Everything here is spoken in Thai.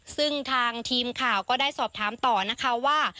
ซึ่งทางทีมข่าวก็ได้สอบถามต่อนะคะว่า